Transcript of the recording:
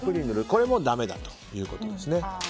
これもだめだということですね。